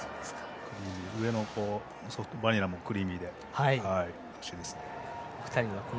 上のバニラもクリーミーでおいしいですね。